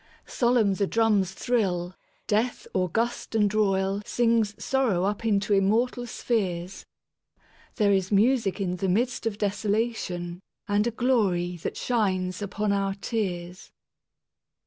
Solemn the drums thrill; Death august and royalSings sorrow up into immortal spheres, There is music in the midst of desolationAnd a glory that shines upon our tears.